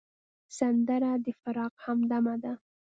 سندره د فراق همدمه ده